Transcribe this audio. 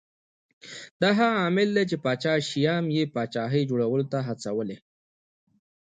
دا هغه عامل دی چې پاچا شیام یې پاچاهۍ جوړولو ته هڅولی